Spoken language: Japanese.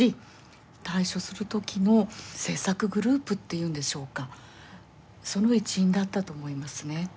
対処する時の政策グループっていうんでしょうかその一員だったと思いますね。